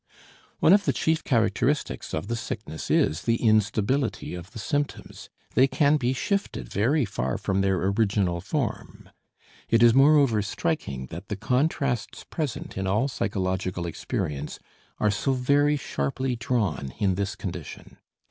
One of the chief characteristics of the sickness is the instability of the symptoms; they can be shifted very far from their original form. It is moreover striking that the contrasts present in all psychological experience are so very sharply drawn in this condition.